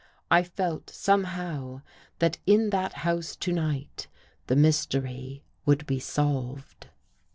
I felt, somehow, that in that house to night, the mystery would be solved.